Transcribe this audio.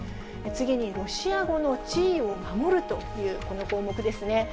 次に、ロシア語の地位を守るというこの項目ですね。